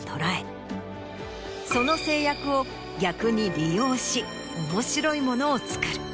その制約を逆に利用し面白いものを作る。